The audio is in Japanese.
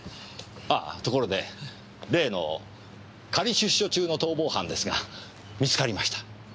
あところで例の仮出所中の逃亡犯ですが見つかりました。